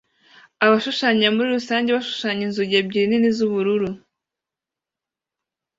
Abashushanya muri rusange bashushanya inzugi ebyiri nini z'ubururu